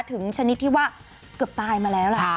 ถึงชนิดที่ว่าเกือบตายมาแล้ว